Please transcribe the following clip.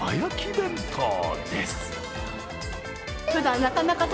弁当です